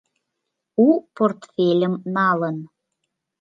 У портфельым налын